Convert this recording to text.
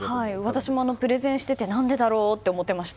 私もプレゼンしてて何でだろうって思ってました。